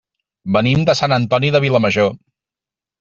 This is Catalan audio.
Venim de Sant Antoni de Vilamajor.